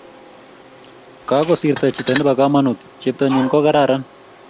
Kagosirto chito nebo kamanuut, cheptanyu kogararan